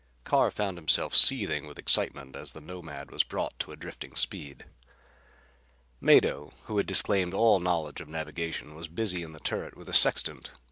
Carr found himself seething with excitement as the Nomad was brought to a drifting speed. Mado, who had disclaimed all knowledge of navigation, was busy in the turret with a sextant.